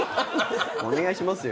お願いしますよ。